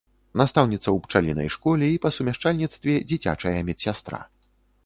Настаўніца ў пчалінай школе і па сумяшчальніцтве дзіцячая медсястра.